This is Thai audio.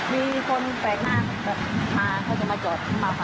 มีคนแปลกหน้าแบบมาเขาจะมาจอดมาค่ะ